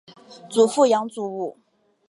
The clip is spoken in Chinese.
祖父杨祖武。